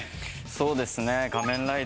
そうですね。